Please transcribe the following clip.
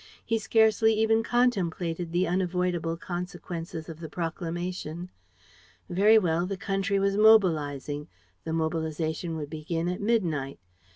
He scarcely even contemplated the unavoidable consequences of the proclamation. Very well, the country was mobilizing: the mobilization would begin at midnight.